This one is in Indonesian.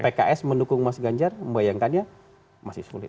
pks mendukung mas ganjar membayangkannya masih sulit